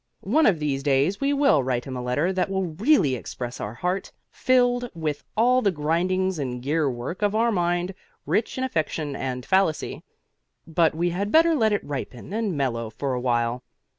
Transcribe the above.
One of these days we will write him a letter that will really express our heart, filled with all the grindings and gear work of our mind, rich in affection and fallacy. But we had better let it ripen and mellow for a while.